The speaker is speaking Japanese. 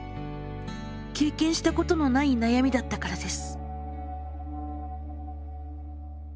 経験したことのない悩みだったからです。